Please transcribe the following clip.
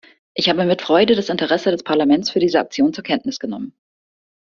Ich habe mit Freude das Interesse des Parlaments für diese Aktion zur Kenntnis genommen.